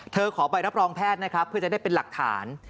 เธอขอใบรับรองแพทย์เพื่อจะได้เป็นหลักฐาน